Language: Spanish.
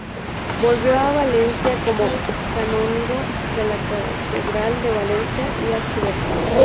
Volvió a Valencia como canónigo de la catedral de Valencia y archivero.